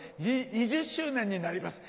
２０周年になります。